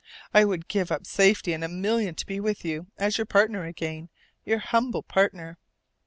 I would give up safety and a million to be with you as your partner again, your humble partner.